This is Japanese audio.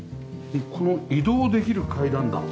この移動できる階段だ。